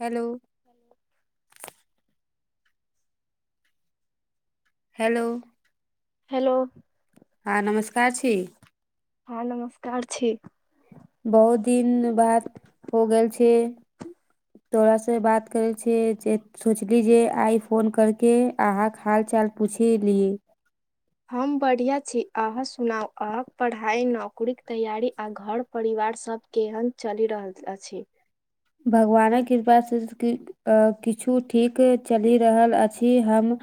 Hello hello. Hello hello हँ नमस्कार छी। हँ नमस्कार छी। बहुत दिन बाद हो गेल छी। तोरासे बात करै छियै जे सोचली जे आइ फोन करके अहाँक हाल चाल पूछ ही‌ ली। हम बढ़िआँ छी, अहाँ सुनाउ अहाॅंक पढ़ाइ नौकरीक तैयारी आ घर परिवारसभ केहन चली रहल अच्छी? भगवानक कृपासे किछु ठीक चलि रहल अछि हम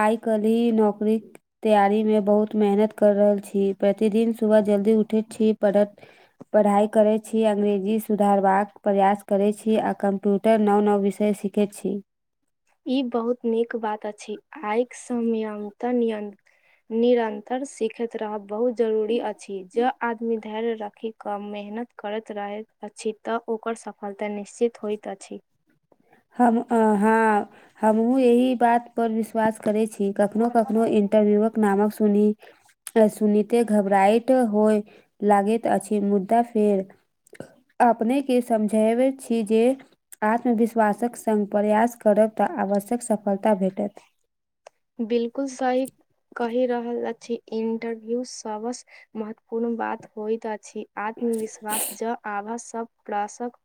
आय कली नौकरीक तैयारीमे बहुत मेहनत कर रहल छी, प्रतिदिन सुबह जल्दी उठै छी पढ़त पढ़ाइ करै छी अंग्रेजी सु सुधारबाक प्रयास करै छी आ कम्प्यूटर नव नव विषय सीखै छी। ई बहुत नीक बात अछि आयक संयंत्र यंत्र निरन्तर सिखैत रहब बहुत जरूरी अछि ज आदमी धैर्य राखि क मेहनत करैत रहैत अछी त ओकर सफलता निश्चित होइत अछी। हम आ हाॅं हमहुँ यही बात पर विश्वास करै छी कखनो कखनो इंटरव्यूवक नामक सुनी आ सुनिते घबराइत होय लागैत अछी मुदा फेर अपनेके समझेबे छी जे आत्मविस वासक संग प्रयास करब त आवश्यक सफलता भेटत। बिल्कुल सही। कही रहल अछी इंटरव्यू सबस महत्वपूर्ण बात होइत अछी। आत्मविस्वास ज आभ सब प्रासक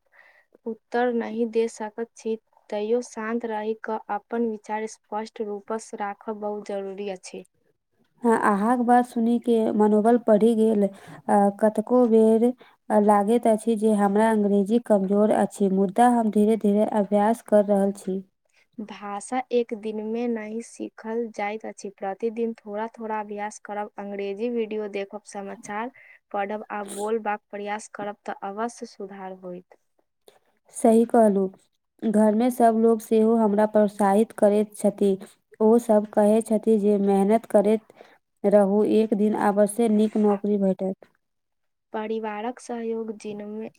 उत्तर नहि दे सकैत छी तैयो शान्त रहि क अपन विचार स्पष्ट रूपस राखब बहुत जरूरी अछि। अहाॅं के बात सुनीके मनोबल पढ़ि गेल आ कतको बेर लागैत अछी जे हमरा अंग्रेजी कमजोर अछी, मुदा हम धीरे धीरे अभ्यास कर रहल छी। भाषा एक दिनमे नहि सीखल जाइत अछि प्रतिदिन थोड़ा -थोड़ा अभ्यास करब अंग्रेजी विडियो देखब समाचार पढ़ब आ बोलबाक प्रयास करब त अवश्य सुधार होयत। सही कहलु, घरमे सबलोग सेहो हमरा प्रोत्साहित करैत छथि। ओ सब कहै छथि जे मेहनत करैत रहु एक दिन आब सय नीक नौकरी भेटत। परिवारक सहयोग जिनमे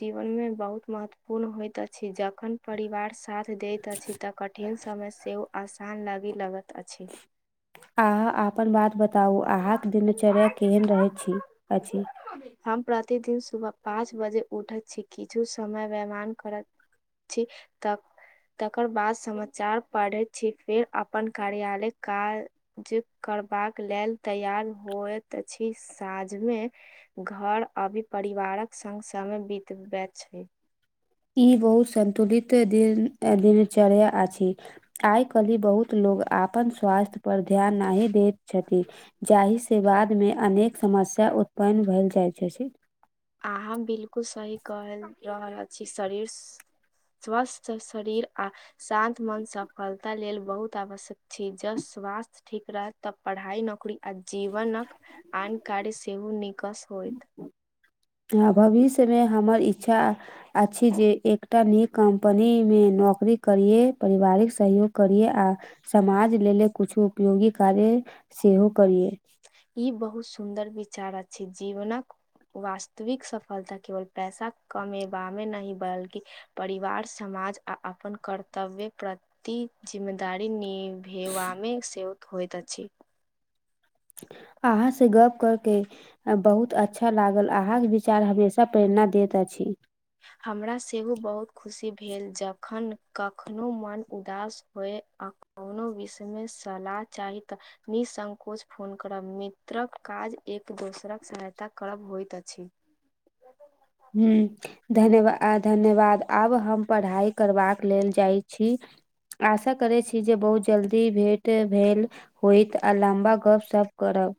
जीवनमे बहुत महत्वपूर्ण होइत अछी जखन परिवार स साथ देत अछि त कठिन समय सेहो आसान लागी लगैत अछि। अहाँ आपन बात बताउ अहाँक दिनचर्य केहन रहै छी अछि? हम प्रतिदिन सुबह पाँच बजे उठै छी किछु समय व्यामान करत छी त तकर बाद समाचार पाढ़ै छी फेर अपन कार्यालय काल। जे करबाक लेल तैयार होइत अछि साँझमे। घर अभी परिवारक संग समय बितबे छै। ई बहुत संन्तुलित दिन दिनचर्या अछि। आइ काल्हि बहुत लोग आपन स्वास्थ्य पर ध्यान नाहि दैत छथि जाहिसे। के बादमे अनेक समस्या उत्पन्न भेल जाइत छै अहाँ बिल्कुल सही कहि रहल अछि शरीर। स्वस्थ शरीर आ। शान्त मन सफलता लेल बहुत आवश्यक छी जब स्वास्थ्य। ठीक रहत तब पढ़ाइ नौकरी आ जीवनक आन कार्य सेहो निकस होयत। हँ भविष्यमे हमर इच्छा। अछि जे एकटा नीक कम्पनी मे नौकरी करियै परिवारिक सहयोग करियै आ। समाज लेले कुछु उपयोगी कार्य सेहो करियै। ई बहुत सुन्दर विचार अछि जीवनक। वास्तविक सफलता केवल पैसा कमेबा मे नहि बल्कि। परिवार समाज आ अपन कर्तव्य कर ती जिम्मेदारी निभेवामे से होइत अछि। अहाँ से गप करके। बहुत अच्छा लागल अहाँके विचार हमेशा प्रेरणा दैत अछि। हमरा सेहो बहुत खुशी भेल जखन कखनो मन उदास होय। कोनो विषयमे सलाह चाही तऽ। निःसंकोच फोन करब मित्रक काज एक दोसरक सहायता करब होइत अछि। हूंम्म धन्यवा धन्यवाद आब हम पढ़ाइ करबाक लेल जाइ छी। आशा करै छी जे बहुत जल्दी भेंटे भेल। होयत आ लम्बा गप सप करब।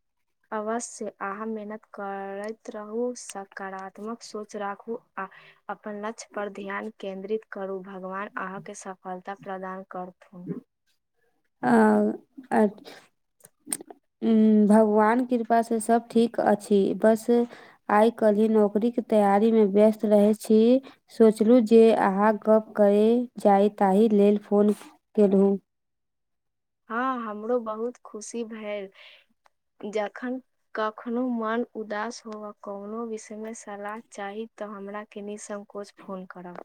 अवश्य अहाँ मेहनत करैत रहू सकारात्मक सोच राखू आ। अपन लक्ष्य पर ध्यान केन्द्रित करू भगवान अहाँके सफलता प्रदान करथुन। आओ अच्छ। उंम्म भगवान कृपासे सब ठीक अछि बस। आइ कलहि नौकरी के तैयारी मे व्यस्त रहै छी। सोचलु जे अहाँ गप्प करय जाय ताहि लेल फोन केलहुँ। हँ हमरो बहुत खुशी भेल जखन कखनो मन उदास होवा कोनो विषय मे सलाह चाही तऽ हमरा के निःसंकोच। फोन करब।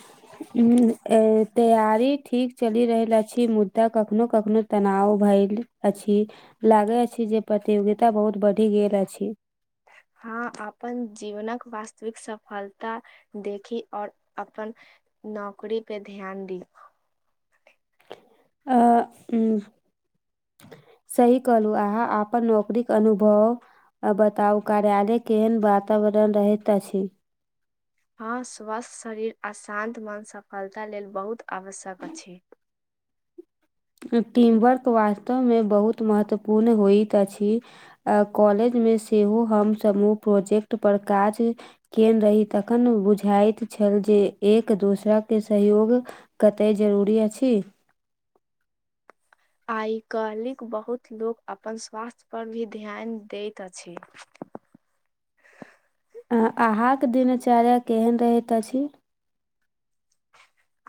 [inaudible] हूंम्म तैयारी ठीक चलि रहल अछि मुद्दा कखनो कखनो तनाव भइल। अछि लागे अछि जे प्रतियोगिता बहुत बढ़ि गेल अछि। हँ अपन जीवनक वास्तविक सफलता। देखी और अपन नौकरी पे ध्यान दी। ऐ उंम्म सही कहलु अहाँ अपन नौकरीके अनुभव। आ बताउ कार्यालय केहन वातावरण रहैत अछि। हँ स्वस्थ शरीर आ शान्त मन सफलता लेल बहुत आवश्यक अछि। टीमवर्क वास्तवमे बहुत महत्वपूर्ण होइत अछि। आ कॉलेजमे सेहो हमसभ ओ प्रोजेक्ट पर काज। केएल रही तखन बुझाइत छल जे एक दोसरा के सहयोग। कते जरूरी अछि। आय कलिक बहुत लोक अपन स्वास्थ्य पर भी ध्यान दैत अछि। अहाँके दिनचर्या केहन रहैत अछि।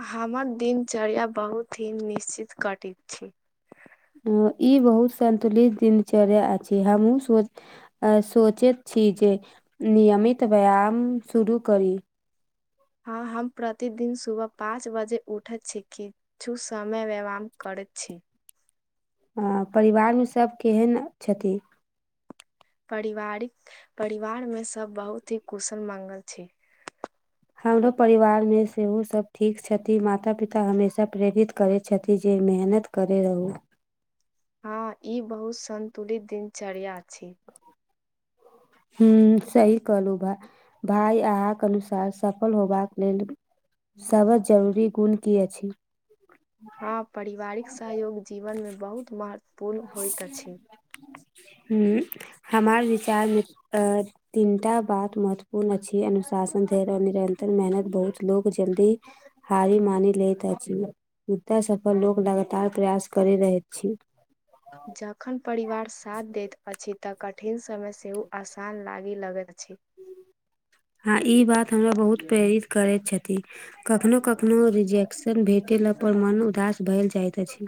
हमर दिनचर्या बहुत ही निश्चित कटित छी। ई बहुत सतुंलित दिनचर्या अछि हमहुँ सोच आ सोचैत छी जे नियमित व्यायाम शुरू करी। हँ हम प्रतिदिन सुबह पाँच बजे उठैत छी की छु समय व्यवाम करै छी ह परिवारमे सभ केहन छथि परिवारिक परिवार में सब बहुत ही कुशल मंगल छी हमरो परिवारमे सेहो सब ठीक छथिन माता पिता हमेशा प्रेरित करै छथिन जे मेहनत करै रहू हँ ई बहुत संन्तुलित दिनचर्या छी ह्म सही कहलू भ भाय अहाँके अनुसार सफल होबाक लेल सब जरूरी गुण की अछि हँ परिवारिक सहयोग जीवनमे बहुत महत्व ह हमार विचार मे त तीनटा बात महत्वपूर्ण अछि अनुशासन धैर्य निरन्तर मेहनत बहुत लो जल्दी हारी मानि लैत अछि मुदा सफल लोग लगातार प्रयास करैत रहैत अछि जखन परिवार साथ दैत अछि तऽ कठिन समय सेहो आसान लागी लगैत अछि हँ ई बात हमरा बहुत प्रेरित करैत छथि कखनो कखनो रिजेक्श। भेटयेला पर मन उदास भेल जाइत अछि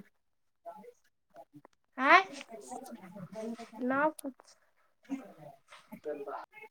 आयं ना कुछ